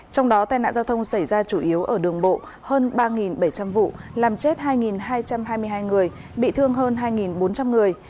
trong đó tai nạn giao thông xảy ra chủ yếu ở đường bộ hơn ba bảy trăm linh vụ làm chết hai hai trăm hai mươi hai người bị thương hơn hai bốn trăm linh người